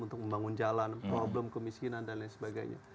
untuk membangun jalan problem kemiskinan dan lain sebagainya